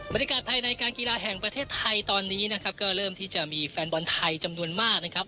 บรรยากาศไทยในการกีฬาแห่งประเทศไทยตอนนี้นะครับก็เริ่มที่จะมีแฟนบอลไทยจำนวนมากนะครับ